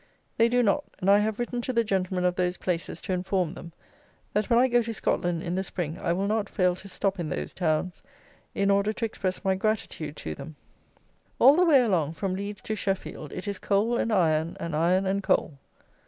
They do not; and I have written to the gentlemen of those places to inform them, that when I go to Scotland in the spring, I will not fail to stop in those towns, in order to express my gratitude to them. All the way along, from Leeds to Sheffield, it is coal and iron, and iron and coal.